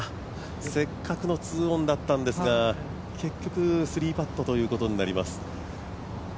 せっかくの２オンだったんですが結局、３パットということになります。